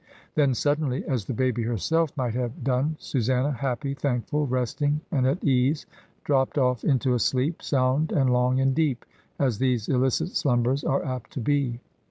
Then suddenly, as the baby herself might have done, Susanna, happy, thankful, resting and at ease, dropped off into a sleep, sound and long and deep as these illicit slumbers are apt to be.